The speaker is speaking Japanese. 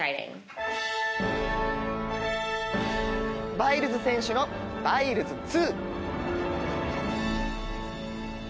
バイルズ選手のバイルズ２。